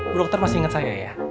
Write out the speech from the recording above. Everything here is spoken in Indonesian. dokter masih ingat saya ya